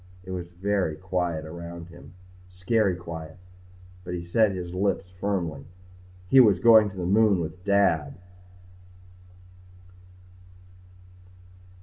It was very quiet around him. Scary quiet. But he set his lips firmly. He was going to the moon with Dad.